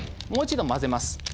もう一度交ぜます。